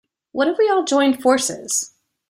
What if we all joined forces?